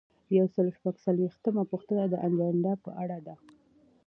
یو سل او شپږ څلویښتمه پوښتنه د اجنډا په اړه ده.